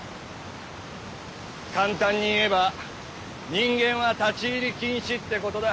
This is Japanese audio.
簡単に言えば人間は立ち入り禁止ってことだ。